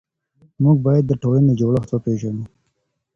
موږ بايد د ټولني جوړښت وپيژنو.